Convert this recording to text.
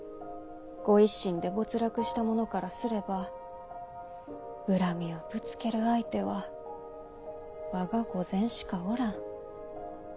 御一新で没落したものからすれば恨みをぶつける相手は我が御前しかおらん。